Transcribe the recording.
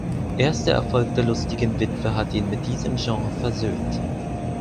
Erst der Erfolg der Lustigen Witwe hatte ihn mit diesem Genre versöhnt.